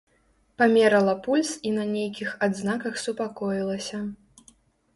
Памерала пульс і на нейкіх адзнаках супакоілася.